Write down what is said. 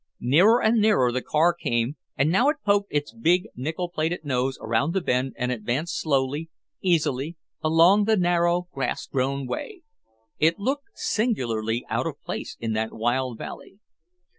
Nearer and nearer the car came and now it poked its big nickel plated nose around the bend and advanced slowly, easily, along the narrow, grass grown way. It looked singularly out of place in that wild valley.